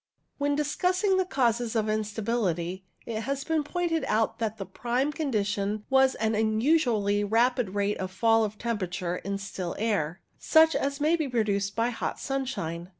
When discussing the causes of instability, it has been pointed out that the prime condition was an unusually rapid rate of fall of temperature in still air, such as may be produced by hot sunshine.